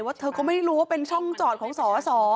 เธอก็ไม่รู้ว่าเป็นช่องจอดของสอสอ